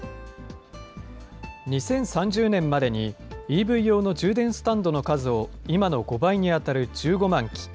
２０３０年までに、ＥＶ用の充電スタンドの数を今の５倍に当たる１５万基。